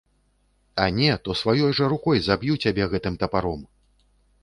А не, то сваёй жа рукой заб'ю цябе гэтым тапаром!